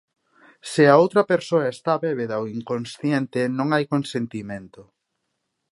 "Se a outra persoa está bébeda ou inconsciente non hai consentimento".